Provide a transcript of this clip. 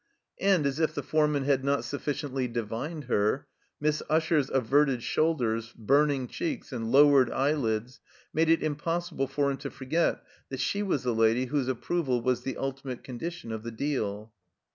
And as if the foreman had not sufficiently divined her. Miss Usher's averted shoulders, burning cheeks, and low ered eyelids made it impossible for him to forget that she was the Lady whose approval was the ulti mate condition of the deal.